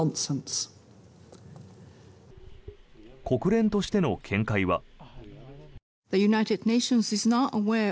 国連としての見解は。